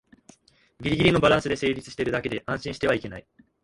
ギリギリのバランスで成立してるだけで安心してはいけない